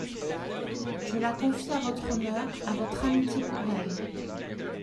Je la confie à votre honneur, à votre amitié pour elle.